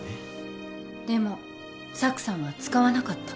でもサクさんは使わなかった。